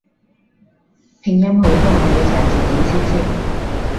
拼音好多我要查字典先識